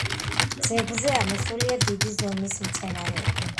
ძეგლზე ამოსულია დიდი ზომის მცენარეები.